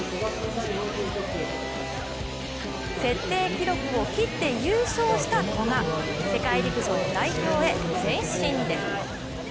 設定記録を切って優勝した古賀、世界陸上代表へ前進です。